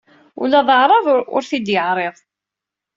Ula d aɛraḍ ur t-id-yeɛriḍ.